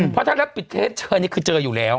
เพราะถ้าแล้วปิดเทสเจอนี่คือเจออยู่แล้ว